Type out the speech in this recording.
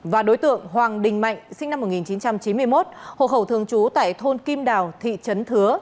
và đối tượng hoàng đình mạnh sinh năm một nghìn chín trăm chín mươi một hộ khẩu thường trú tại thôn kim đào thị trấn thứa